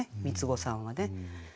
三つ子さんはね。